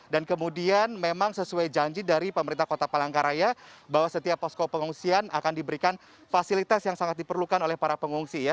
dan kemudian memang sesuai janji dari pemerintah kota palangkaraya bahwa setiap posko pengungsian akan diberikan fasilitas yang sangat diperlukan oleh para pengungsi ya